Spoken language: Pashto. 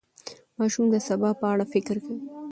ماشوم د سبا په اړه فکر کوي.